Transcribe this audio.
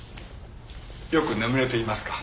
よく眠れていますか？